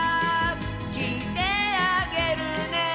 「きいてあげるね」